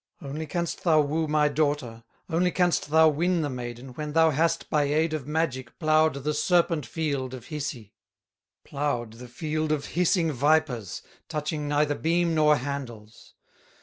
Only canst thou woo my daughter, Only canst thou win the maiden, When thou hast by aid of magic Plowed the serpent field of Hisi, Plowed the field of hissing vipers, Touching neither beam nor handles.